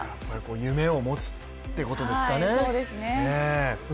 夢を持つっていうことですかね。